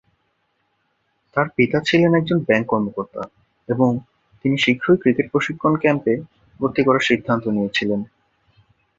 তার পিতা ছিলেন একজন ব্যাংক কর্মকর্তা এবং তিনি শীঘ্রই ক্রিকেট প্রশিক্ষণ ক্যাম্পে ভর্তি করার সিদ্ধান্ত নিয়েছিলেন।